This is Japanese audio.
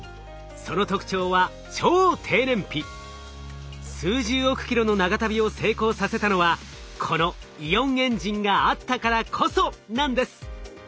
その特徴は数十億キロの長旅を成功させたのはこのイオンエンジンがあったからこそなんです。